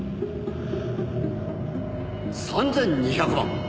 「３２００万」